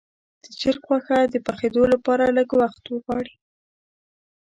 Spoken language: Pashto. د چرګ غوښه د پخېدو لپاره لږ وخت غواړي.